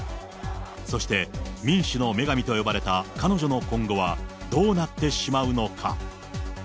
そして民主の女神と呼ばれた彼女の今後は、どうなってしまうのか。